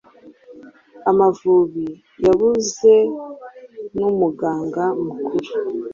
Amavubi yabuze n’umuganga mukuru